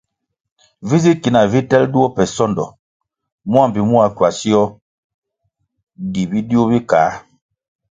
Vi zi ki nah vi telʼ duo pe sondo mua mbpi mua kwasio di bidiu bi kā.